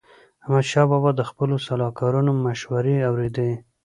احمدشاه بابا د خپلو سلاکارانو مشوري اوريدي.